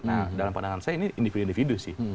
nah dalam pandangan saya ini individu individu sih